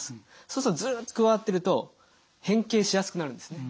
そうするとずっと加わってると変形しやすくなるんですね。